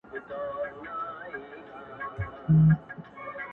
یو سړي باندي خدای ډېر وو رحمېدلی,